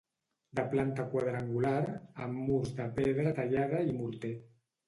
De planta quadrangular, amb murs de pedra tallada i morter.